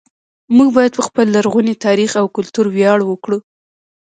موږ باید په خپل لرغوني تاریخ او کلتور ویاړ وکړو